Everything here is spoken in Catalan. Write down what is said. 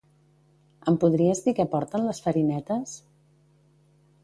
Em podries dir què porten les farinetes?